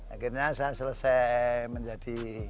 akhirnya saya selesai menjadi